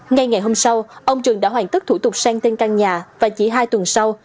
ngay ngày hôm sau ông trường đã hoàn tất thủ tục sang tên căn nhà và chỉ hai tuần sau